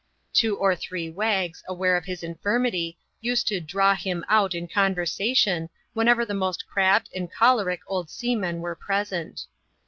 Two or three wags, aware of his infirmity, used to " draw him out*' in conversation, whenever the most crabbed and choleric old seamen were present.